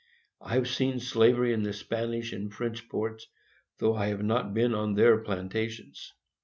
I have seen slavery in the Spanish and French ports, though I have not been on their plantations.